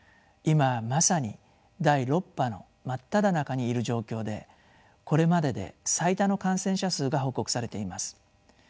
今まさに第６波の真っただ中にいる状況でこれまでで最多の感染者数が報告されています。